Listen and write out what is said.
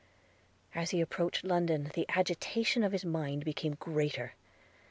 As he approached London, the agitation of his mind became greater.